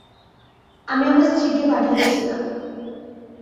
আমি আমার স্ত্রীকে পাঠিয়েছিলাম।